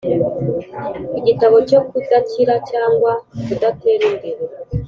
Igitambo cyo kudakira cyangwa kudatera imbere